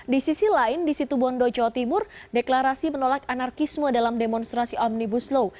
di sisi lain di situ bondo jawa timur deklarasi menolak anarkisme dalam demonstrasi omnibus law